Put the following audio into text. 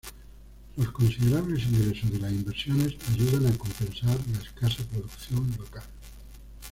Los considerables ingresos de las inversiones ayudan a compensar la escasa producción local.